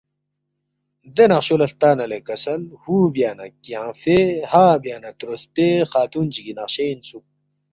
دے نقشو لہ ہلتا نہ لے کسل ہُو بیا نہ کیانگفے ہا بیا نہ تروسپے خاتون چِگی نقشے انسُوک